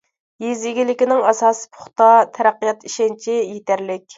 يېزا ئىگىلىكىنىڭ ئاساسى پۇختا، تەرەققىيات ئىشەنچى يېتەرلىك.